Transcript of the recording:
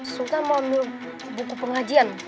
sultan mau ambil buku pengajian